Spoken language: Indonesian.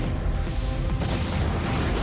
kita harus ke rumah